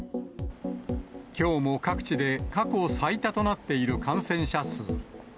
きょうも各地で過去最多となっている感染者数。